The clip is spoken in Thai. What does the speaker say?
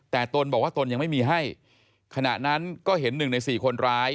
แต่ตนบอกว่าตนยังไม่มีให้ขณะนั้นก็เห็นหนึ่งในสี่คนร้าย